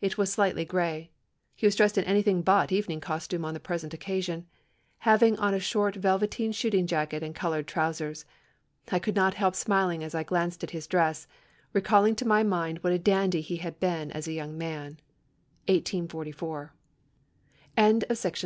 It was slightly gray. He was dressed in anything but evening costume on the present occasion, having on a short velveteen shooting jacket and coloured trousers. I could not help smiling as I glanced at his dress recalling to my mind what a dandy he had been as a young man." 1844. HARRIET MARTINEAU 1802 1876 [Sidenote: H.